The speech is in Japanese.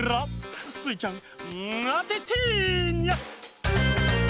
スイちゃんあててニャ！